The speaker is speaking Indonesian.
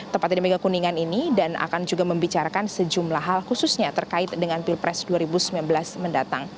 tepatnya di megakuningan ini dan akan juga membicarakan sejumlah hal khususnya terkait dengan pilpres dua ribu sembilan belas mendatang